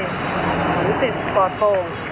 รู้สึกปลอดภัย